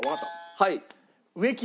はい。